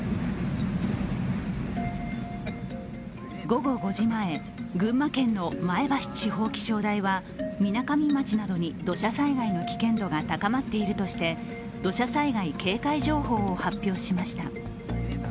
午後５時前、群馬県の前橋地方気象台はみなかみ町などに土砂災害の危険度が高まっているとして土砂災害警戒情報を発表しました。